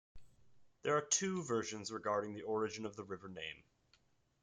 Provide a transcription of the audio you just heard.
There are two versions regarding the origin of the river name.